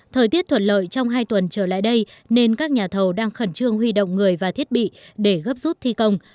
thời tiết thuận lợi trong hai tuần trở lại đây nên các nhà thầu đang khẩn trương huy động người và thiết bị để gấp rút thi công